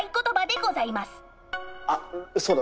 あっそうだ！